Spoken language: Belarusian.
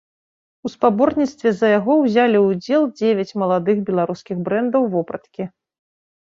У спаборніцтве за яго ўзялі ўдзел дзевяць маладых беларускіх брэндаў вопраткі.